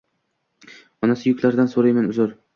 Onasi yuklardan surayman uzr